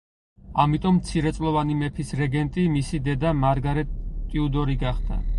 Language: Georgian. ამიტომ, მცირეწლოვანი მეფის რეგენტი მისი დედა მარგარეტ ტიუდორი გახდა.